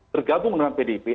tergabung dengan pdp